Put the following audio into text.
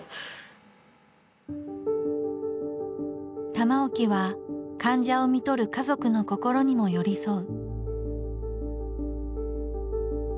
玉置は患者をみとる家族の心にも寄り添う。